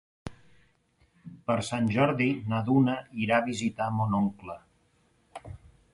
Per Sant Jordi na Duna irà a visitar mon oncle.